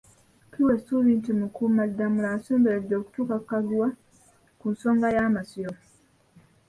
Kiwa essuubi nti Mukuumaddamula asemberedde okutuuka ku kaguwa ku nsonga y'Amasiro.